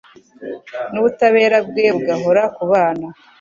n’ubutabera bwe bugahora ku bana